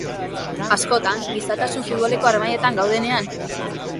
Askotan, gizatasuna futboleko harmailetan gaudenean?